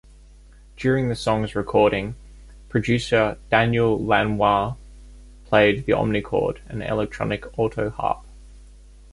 During the song's recording, producer Daniel Lanois played the Omnichord, an electronic autoharp.